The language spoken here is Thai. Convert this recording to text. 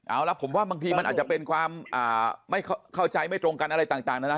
เอาล่ะผมว่าบางทีมันอาจจะเป็นความไม่เข้าใจไม่ตรงกันอะไรต่างนะนะ